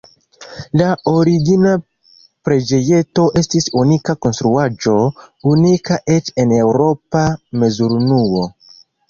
La origina preĝejeto estis unika konstruaĵo, unika eĉ en eŭropa mezurunuo.